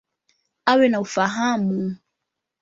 Awe na ufahamu.